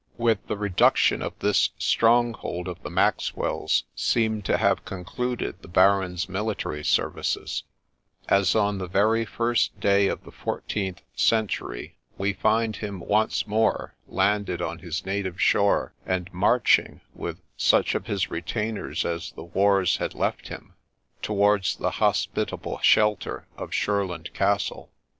With the reduc tion of this stronghold of the Maxwells seem to have concluded the Baron's military services ; as on the very first day of the fourteenth century we find him once more landed on his native shore, and marching, with such of his retainers as the wars had left him, towards the hospitable shelter of Shurland Castle.